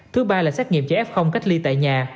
thứ ba là xét nghiệm cho f cách ly tại nhà